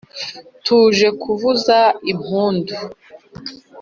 tuje kuvuza impundu